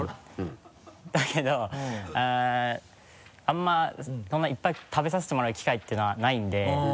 だけどあんまりそんなにいっぱい食べさせてもらう機会ってのはないんで。